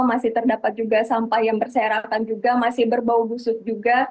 masih terdapat juga sampah yang berserapan juga masih berbau busuk juga